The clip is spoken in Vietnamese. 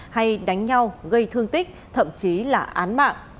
hay đánh nhau gây thương tích thậm chí là án mạng